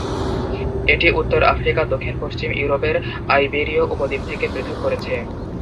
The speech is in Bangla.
এটি উত্তর আফ্রিকা দক্ষিণ-পশ্চিম ইউরোপের আইবেরীয় উপদ্বীপ থেকে পৃথক করেছে।